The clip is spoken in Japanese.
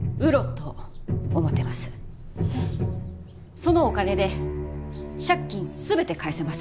そのお金で借金全て返せます。